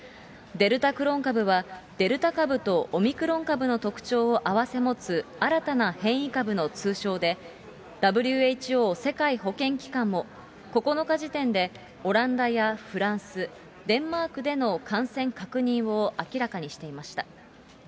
デルタクロン株は、デルタ株とオミクロン株の特徴を併せ持つ、新たな変異株の通称で、ＷＨＯ・世界保健機関も９日時点でオランダやフランス、デンマークでの感染確認を明らかにしていました。